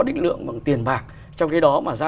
định lượng bằng tiền bạc trong khi đó mà ra